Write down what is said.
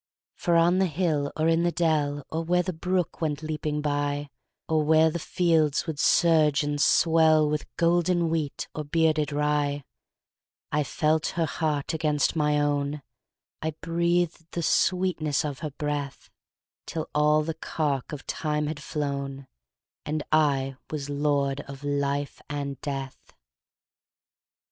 For on the hill or in the dell, Or where the brook went leaping byOr where the fields would surge and swellWith golden wheat or bearded rye,I felt her heart against my own,I breathed the sweetness of her breath, Till all the cark of time had flown, And I was lord of life and death.